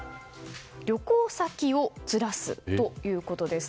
旅行先をずらすということです。